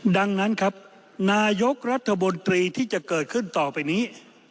ดังนั้นครับนายกรัฐมนตรีที่จะเกิดขึ้นต่อไปนี้